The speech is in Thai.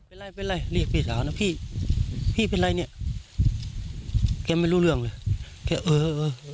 เป็นไรเป็นไรเรียกพี่สาวนะพี่พี่เป็นไรเนี่ยแกไม่รู้เรื่องเลยแกเออเออ